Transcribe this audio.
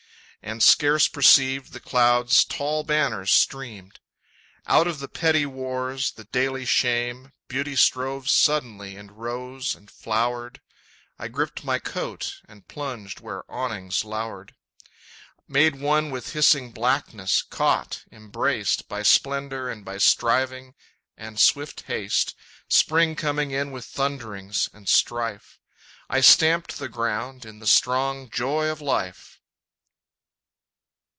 And, scarce perceived, the clouds' tall banners streamed. Out of the petty wars, the daily shame, Beauty strove suddenly, and rose, and flowered.... I gripped my coat and plunged where awnings lowered. Made one with hissing blackness, caught, embraced, By splendor and by striving and swift haste Spring coming in with thunderings and strife I stamped the ground in the strong joy of life!